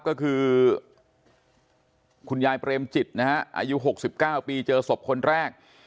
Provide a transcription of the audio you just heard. ก็คือคุณยายเปรมจิตนะฮะอายุ๖๙ปีเจอศพคนแรก